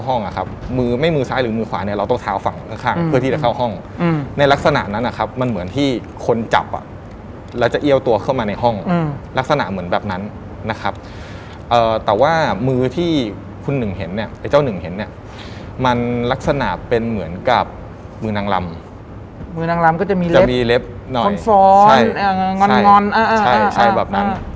มือไม่มือซ้ายหรือมือขวาเนี่ยเราต้องเท้าฝั่งข้างเพื่อที่จะเข้าห้องในลักษณะนั้นนะครับมันเหมือนที่คนจับอ่ะแล้วจะเอี้ยวตัวเข้ามาในห้องลักษณะเหมือนแบบนั้นนะครับแต่ว่ามือที่คุณหนึ่งเห็นเนี่ยไอ้เจ้าหนึ่งเห็นเนี่ยมันลักษณะเป็นเหมือนกับมือนางลำมือนางลำก็จะมีจะมีเล็บนอนใช่ใช่แบบนั้น